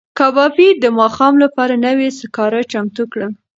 کبابي د ماښام لپاره نوي سکاره چمتو کړل.